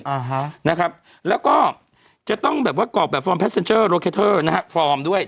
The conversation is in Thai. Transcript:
อ่าฮะนะครับแล้วก็จะต้องแบบว่ากรอกแบบฟอร์มนะฮะฟอร์มด้วย